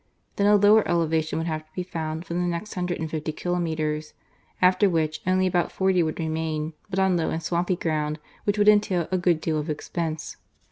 Then a lower elevation would have to be found for the next hundred and fifty kilometres ; after which, only about forty would remain, but on low and swampy ground which would entail a good deal of expense.